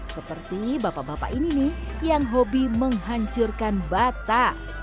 seperti bapak bapak ini nih yang hobi menghancurkan bata